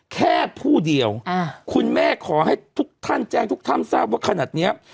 แค่ผู้เดียวคุณแม่ขอให้ทุกท่านแจ้งทุกท่านทราบว่าขนาดเนี้ย